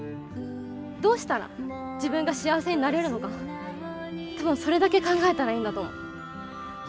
どうしたら自分が幸せになれるのか多分それだけ考えたらいいんだと思う。